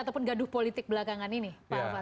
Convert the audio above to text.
ataupun gaduh politik belakangan ini pak alfan